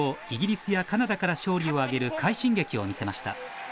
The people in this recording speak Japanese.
イギリスやカナダから勝利を挙げる快進撃を見せました